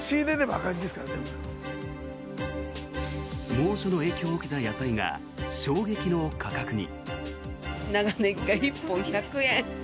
猛暑の影響を受けた野菜が衝撃の価格に。